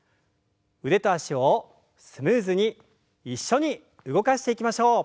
腕と脚をスムーズに一緒に動かしていきましょう。